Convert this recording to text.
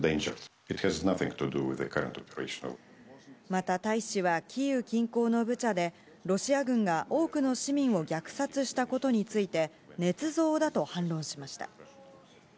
また大使は、キーウ近郊のブチャで、ロシア軍が多くの市民を虐殺したことについて、ねつ造だと反論しました。